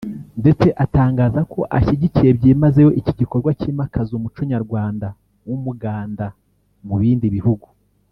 ndetse atangaza ko ashyigikiye byimazeyo iki gikorwa cyimakaza umuco Nyarwanda w’umuganda mu bindi bihugu